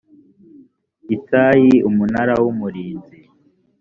itayi umunara w umurinzi